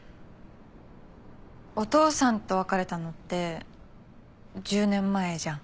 お父さんと別れたのって１０年前じゃん。